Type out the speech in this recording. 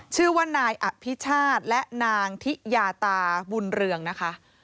ชื่อว่านายอภิชาติและนางทิยาตาบุญเรืองนะคะ